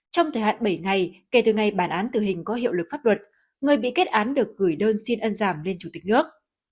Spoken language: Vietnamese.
trong thời hạn bảy ngày kể từ ngày bản án tử hình có hiệu lực pháp luật người bị kết án được gửi đơn xin ân giảm lên chủ tịch nước